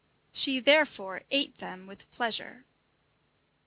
She therefore ate them with pleasure.